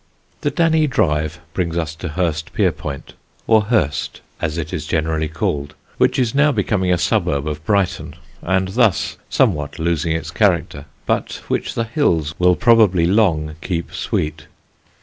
_] The Danny drive brings us to Hurstpierpoint, or Hurst as it is generally called, which is now becoming a suburb of Brighton and thus somewhat losing its character, but which the hills will probably long keep sweet.